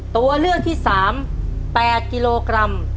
ตัวเลือกที่๓๘กิโลกรัม